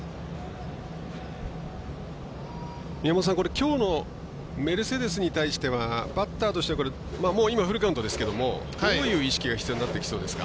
きょうのメルセデスに対してはバッターとしてはもう今、フルカウントですけどどういう意識が必要になってきそうですか？